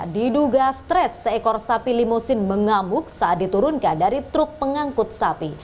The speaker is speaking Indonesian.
diduga stres seekor sapi limusin mengamuk saat diturunkan dari truk pengangkut sapi